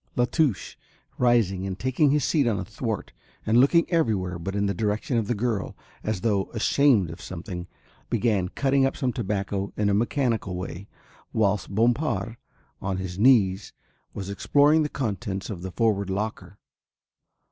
La Touche, rising and taking his seat on a thwart and looking everywhere but in the direction of the girl, as though ashamed of something, began cutting up some tobacco in a mechanical way, whilst Bompard, on his knees, was exploring the contents of the forward locker.